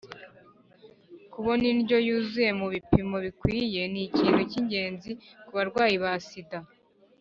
kubona indyo yuzuye mu bipimo bikwiye ni ikintu cy’ingenzi ku barwayi ba sida,